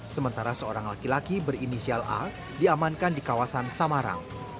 sementara seorang laki laki berinisial a diamankan di kawasan samarang